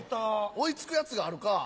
追い付くヤツがあるか。